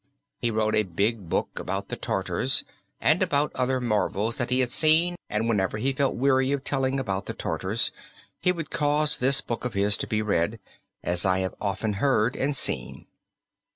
He wrote a big book about the Tartars, and about other marvels that he had seen and whenever he felt weary of telling about the Tartars, he would cause this book of his to be read, as I have often heard and seen.